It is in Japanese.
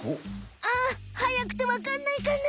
あはやくてわかんないかな？